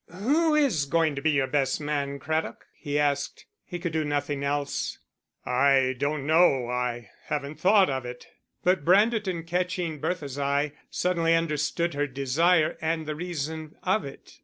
"Who is going to be your best man, Craddock?" he asked; he could do nothing else. "I don't know I haven't thought of it." But Branderton, catching Bertha's eye, suddenly understood her desire and the reason of it.